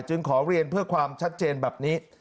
ขอเรียนเพื่อความชัดเจนแบบนี้